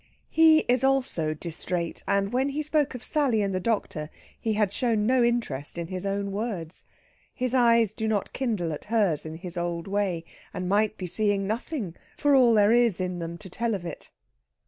He is also distrait, and when he spoke of Sally and the doctor he had shown no interest in his own words. His eyes do not kindle at hers in his old way, and might be seeing nothing, for all there is in them to tell of it.